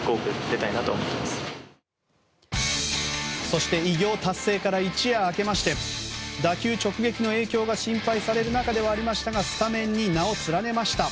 そして偉業達成から一夜明けまして打球直撃の影響が心配される中ではありましたがスタメンに名を連ねました。